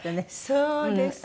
そうです。